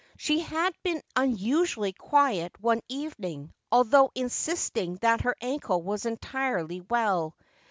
She had been unusually quiet one evening, although insisting that her ankle was entirely well.